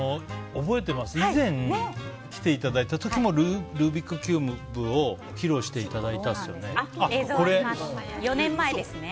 以前来ていただいた時もルービックキューブを披露していただいたんですよね。